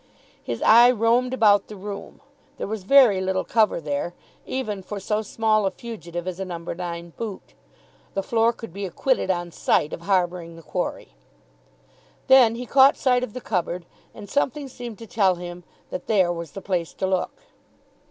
His eye roamed about the room. There was very little cover there, even for so small a fugitive as a number nine boot. The floor could be acquitted, on sight, of harbouring the quarry. Then he caught sight of the cupboard, and something seemed to tell him that there was the place to look.